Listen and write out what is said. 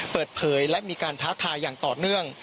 เปิดเผยและมีการท้าทายอย่างต่อเนื่อง